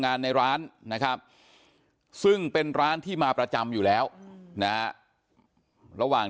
ในร้านนะครับซึ่งเป็นร้านที่มาประจำอยู่แล้วนะระหว่าง